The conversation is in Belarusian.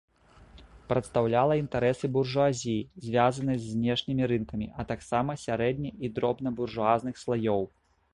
Прадстаўляла інтарэсы буржуазіі, звязанай з знешнімі рынкамі, а таксама сярэдне- і дробнабуржуазных слаёў.